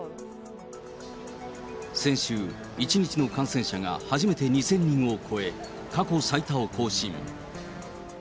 先週、１日の感染者が初めて２０００人を超え、過去最多を更新。